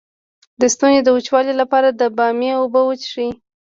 د ستوني د وچوالي لپاره د بامیې اوبه وڅښئ